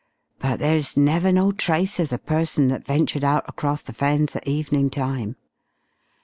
But there's never no trace of the person that ventured out across the Fens at evening time.